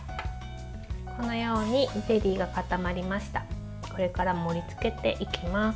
このようにゼリーが固まりました。